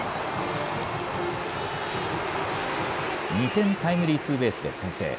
２点タイムリーツーベースで先制。